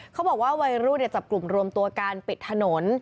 เขาบอกว่าวัยรุ่นจะจับกลุ่มรวมตัวการปิดถนน